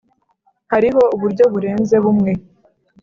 hariho uburyo burenze bumwe